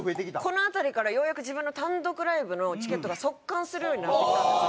この辺りからようやく自分の単独ライブのチケットが即完するようになってきたんですよ。